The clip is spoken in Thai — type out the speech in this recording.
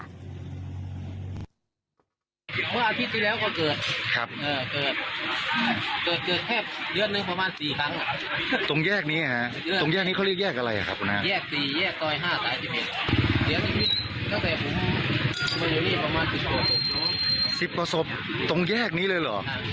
สิบประสบตรงแยกนี้เลยเหรอ